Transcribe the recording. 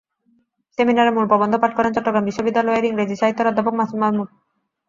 সেমিনারে মূল প্রবন্ধ পাঠ করেন চট্টগ্রাম বিশ্ববিদ্যালয়ের ইংরেজি সাহিত্যের অধ্যাপক মাসুদ মাহমুদ।